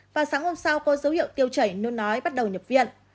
và sáng hôm sau có dấu hiệu tiêu chảy nôn nói bắt đầu nhập viện